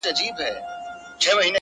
o ورځي د وريځي يارانه مــاتـه كـړه.